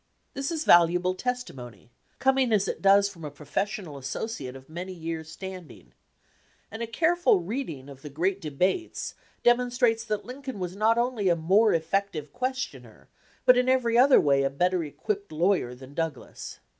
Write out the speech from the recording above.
This is valuable testimony, coming as it does from a professional associate of many years' standing; and a careful reading of the great debates demonstrates that Lincoln was not only a more effective questioner, but in every other way a better equipped lawyer than Douglas.